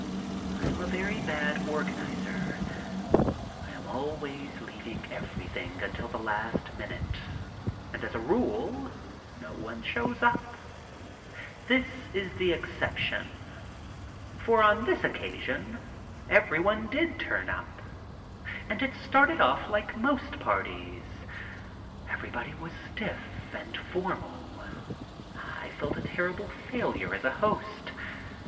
I am a very bad organizer. I am always leaving everything until the last minute, and as a rule no one shows up. OFF TO EUROPE 19 This was the exception. For on this occasion everybody did turn up. And it started off Hke most parties; every body was stiff and formal ; I felt a terrible failure as a host.